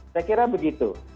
saya kira begitu